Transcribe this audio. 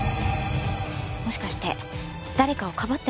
もしかして誰かをかばってます？